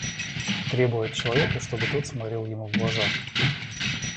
Требуя от человека, чтобы тот смотрел ему в глаза.